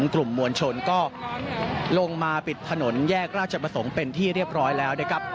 กลุ่มมวลชนก็ลงมาปิดถนนแยกราชประสงค์เป็นที่เรียบร้อยแล้วนะครับ